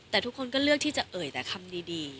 แต่ทุกคนก็เลือกที่จะเอ่ยแต่คำดี